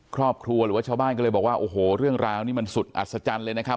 หรือว่าชาวบ้านก็เลยบอกว่าโอ้โหเรื่องราวนี้มันสุดอัศจรรย์เลยนะครับ